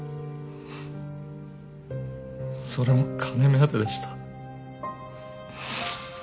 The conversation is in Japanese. それも金目当てでした。